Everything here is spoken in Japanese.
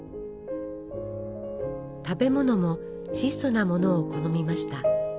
食べ物も質素なものを好みました。